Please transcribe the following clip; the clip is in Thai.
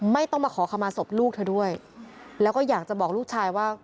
ไม่ต้องมาขอขมาศพลูกเธอด้วยแล้วก็อยากจะบอกลูกชายว่า